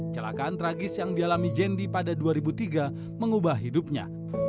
celakaan tragis yang dialami jendi pada dua ribu tiga mengubah hidupnya